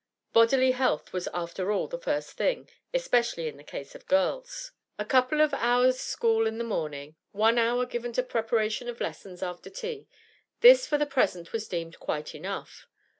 Bodily health was after all the first thing, especially in the case of girls. A couple of hours' school in the morning, one hour given to preparation of lessons after tea this for the present was deemed quite enough.